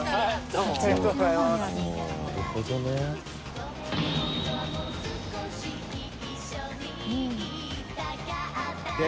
なるほどね。